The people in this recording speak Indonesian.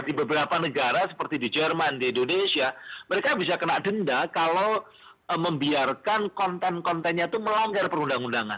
di beberapa negara seperti di jerman di indonesia mereka bisa kena denda kalau membiarkan konten kontennya itu melanggar perundang undangan